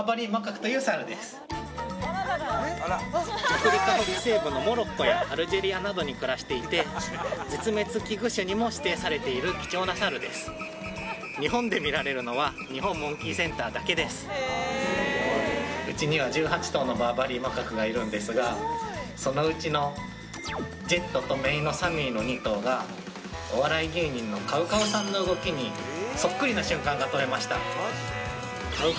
アフリカ北西部のモロッコやアルジェリアなどに暮らしていて絶滅危惧種にも指定されている貴重なサルですうちには１８頭のバーバリーマカクがいるんですがそのうちのジェットと姪のサミーの２頭がお笑い芸人のＣＯＷＣＯＷさんの動きにソックリな瞬間が撮れました